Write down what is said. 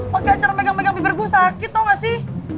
pake acara megang megang bibir gua sakit tau gak sih